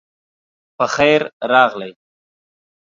پخیر راغلی